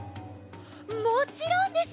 もちろんです！